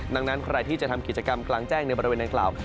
ดังนั้นใครที่จะทำกิจกรรมกลางแจ้งในบริเวณดังกล่าว